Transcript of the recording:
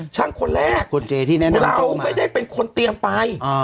คนแรกเราไม่ได้เป็นคนเตรียมไป